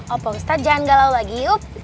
opa ustadz jangan gak lalu lagi iup